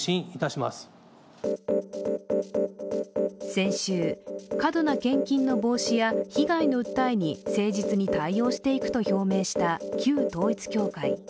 先週、過度な献金の防止や被害の訴えに誠実に対応していくと表明した旧統一教会。